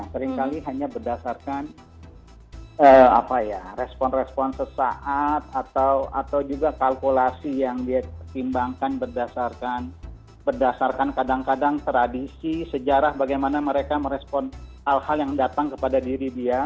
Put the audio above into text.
seringkali hanya berdasarkan respon respon sesaat atau juga kalkulasi yang dia pertimbangkan berdasarkan kadang kadang tradisi sejarah bagaimana mereka merespon hal hal yang datang kepada diri dia